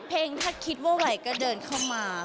เพลงถ้าคิดว่าไหวก็เดินเข้ามา